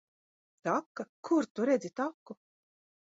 Taka? Kur Tu redzi taku?